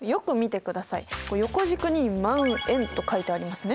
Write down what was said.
横軸に「万円」と書いてありますね。